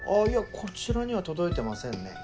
こちらには届いてませんね。